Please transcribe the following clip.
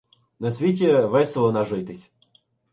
На світі весело нажитись